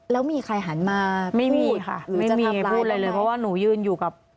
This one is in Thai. แล้วมีใครหันมาไม่มีค่ะไม่มีใครพูดอะไรเลยเพราะว่าหนูยืนอยู่กับ